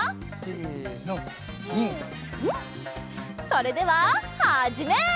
それでははじめい！